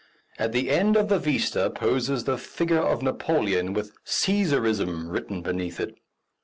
At the end of the vista poses the figure of Napoleon with "Cæsarism" written beneath it.